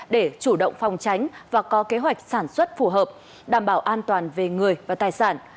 để chủ động phòng tránh và có kế hoạch sản xuất phù hợp đảm bảo an toàn về người và tài sản